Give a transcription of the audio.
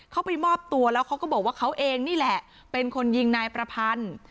เขาไปมอบตัวแล้วเขาก็บอกว่าเขาเองนี่แหละเป็นคนยิงนายประพันธ์